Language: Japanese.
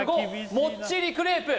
もっちりクレープ